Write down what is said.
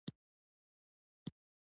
طلا د افغان ماشومانو د لوبو موضوع ده.